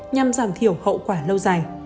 nhằm giảm thiểu hậu quả lâu dài